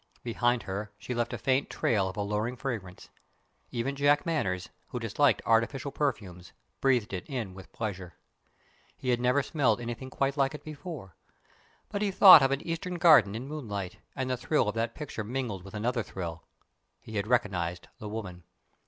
Behind her, she left a faint trail of alluring fragrance. Even Jack Manners, who disliked artificial perfumes, breathed it in with pleasure. He had never smelled anything quite like it before; but he thought of an eastern garden in moonlight, and the thrill of that picture mingled with another thrill. He had recognized the woman.